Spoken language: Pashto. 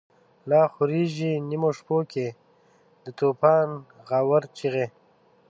لا خوریږی نیمو شپو کی، دتوفان غاوری چیغی